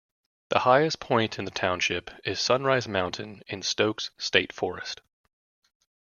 The highest point in the township is Sunrise Mountain in Stokes State Forest.